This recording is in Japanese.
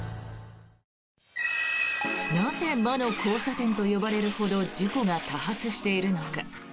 なぜ魔の交差点と呼ばれるほど事故が多発しているのか。